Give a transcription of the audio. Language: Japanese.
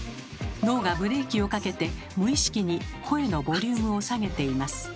脳がブレーキをかけて無意識に声のボリュームを下げています。